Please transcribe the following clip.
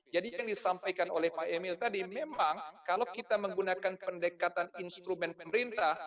jadi yang disampaikan oleh pak emil tadi memang kalau kita menggunakan pendekatan instrumen pemerintah